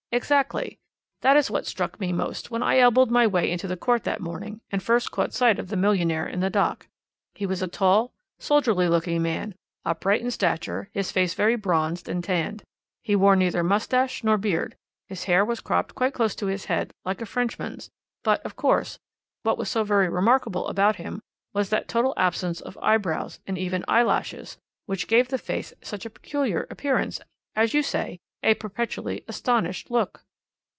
Exactly. That is what struck me most when I elbowed my way into the court that morning and first caught sight of the millionaire in the dock. He was a tall, soldierly looking man, upright in stature, his face very bronzed and tanned. He wore neither moustache nor beard, his hair was cropped quite close to his head, like a Frenchman's; but, of course, what was so very remarkable about him was that total absence of eyebrows and even eyelashes, which gave the face such a peculiar appearance as you say, a perpetually astonished look.